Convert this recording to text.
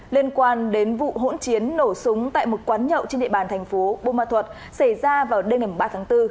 liên quan đến vụ hỗn chiến nổ súng tại một quán nhậu trên địa bàn thành phố bô ma thuật xảy ra vào đêm ngày ba tháng bốn